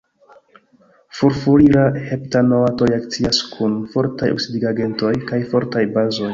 Furfurila heptanoato reakcias kun fortaj oksidigagentoj kaj fortaj bazoj.